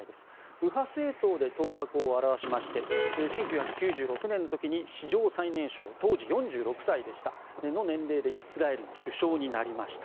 右派政党で頭角を現しまして１９９６年の時に史上最年少当時４６歳の年齢でイスラエルの首相になりました。